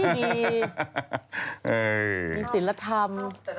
มานี่สิรธรรม